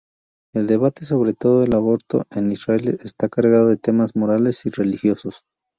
El debate sobre el aborto en Israel está cargado de temas morales y religiosos.